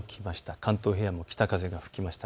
関東平野も北風が吹きました。